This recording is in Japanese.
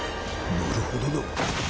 なるほどな。